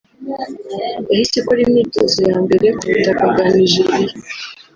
yahise ikora imyitozo ya mbere ku butaka bwa Nigeriya